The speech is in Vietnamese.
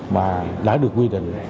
mà đã được quy định